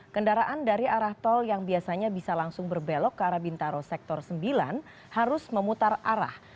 kendaraan dari arah tol yang biasanya bisa langsung berbelok ke arah bintaro sektor sembilan harus memutar arah